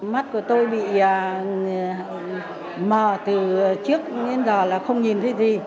mắt của tôi bị mờ từ trước đến giờ là không nhìn thấy gì